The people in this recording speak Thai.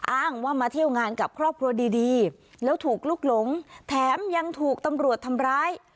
อ้างว่ามาเที่ยวงานกับครอบครัวดีแล้วถูกลุกหลงแถมยังถูกตำรวจทำร้าย